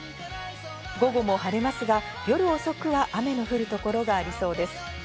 午後も晴れますが、夜遅くは雨の降る所がありそうです。